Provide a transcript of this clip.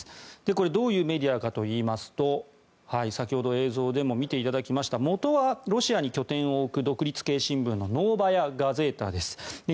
これ、どういうメディアかというと先ほど映像でも見ていただきました元はロシアに拠点を置く独立系新聞のノーバヤ・ガゼータです。